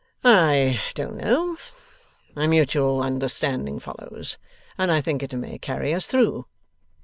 'I don't know. A mutual understanding follows, and I think it may carry us through.